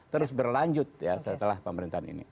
terus berlanjut ya setelah pemerintahan ini